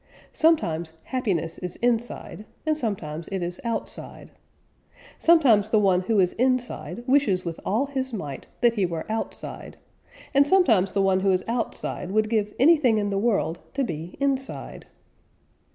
Sometimes happiness is inside and sometimes it is outside. Sometimes the one who is inside wishes with all his might that he were outside, and sometimes the one who is outside would give anything in the world to be inside.